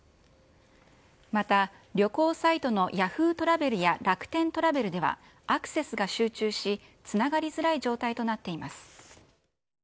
また、旅行サイトのヤフートラベルや楽天トラベルでは、アクセスが集中し、つながりづらい状態となっています。